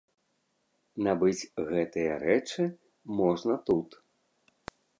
Набыць гэтыя рэчы можна тут.